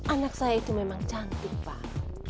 anak saya itu memang cantik pak